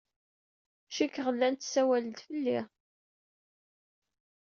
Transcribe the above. Cikkeɣ llant ssawalent fell-i.